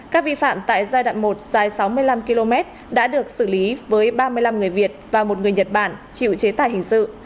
các vi phạm tại giai đoạn một dài sáu mươi năm km đã được xử lý với ba mươi năm người việt và một người nhật bản chịu chế tài hình sự